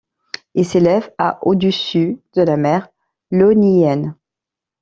Il s'élève à au-dessus de la mer Ionienne.